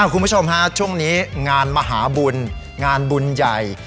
คุณผู้ชมฮะช่วงนี้งานมหาบุญงานบุญใหญ่